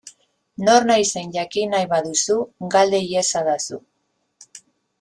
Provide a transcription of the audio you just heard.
Nor naizen jakin nahi baduzu, galde iezadazu.